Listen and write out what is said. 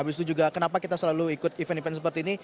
dan juga kenapa kita selalu ikut event event seperti ini